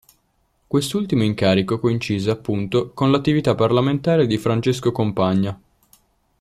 Quest'ultimo incarico coincise, appunto, con l'attività parlamentare di Francesco Compagna.